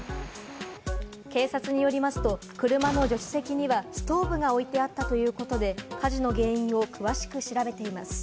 警察によりますと車の助手席にはストーブが置いてあったということで、火事の原因を詳しく調べています。